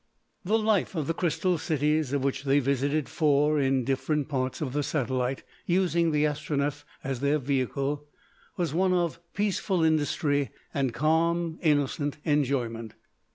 The life of the Crystal Cities, of which they visited four in different parts of the satellite, using the Astronef as their vehicle, was one of peaceful industry and calm, innocent enjoyment.